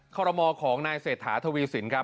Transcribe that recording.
ขอรมอของนายเศรษฐาทวีสินครับ